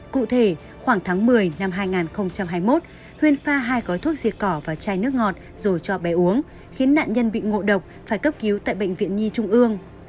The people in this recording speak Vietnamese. cụ thể khoảng tháng một mươi năm hai nghìn hai mươi một huyên pha hai gói thuốc diệt cỏ và chai nước ngọt rồi cho bé uống khiến nạn nhân bị ngộ độc phải cấp cứu tại bệnh viện nhi trung ương